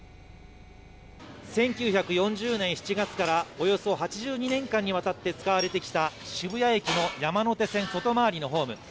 １９４０年７月からおよそ８２年間にわたって使われてきた渋谷駅の山手線外回りのホーム。